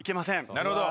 なるほど。